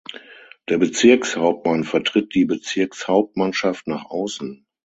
Der Bezirkshauptmann vertritt die Bezirkshauptmannschaft nach außen.